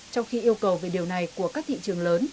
trong khi yêu cầu về điều này của các thị trường lớn